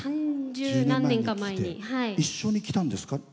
一緒に来たんですか？